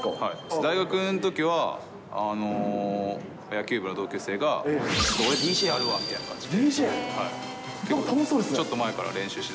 大学のときは、野球部の同級生が、俺ＤＪやるわみたいな感じで。